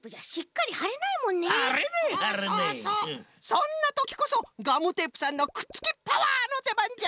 そんなときこそガムテープさんのくっつきパワーのでばんじゃ。